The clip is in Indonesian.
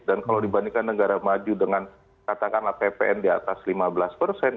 dan kalau dibandingkan negara maju dengan katakanlah ppn di atas lima belas persen